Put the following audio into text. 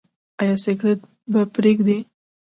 ایا سګرټ به پریږدئ؟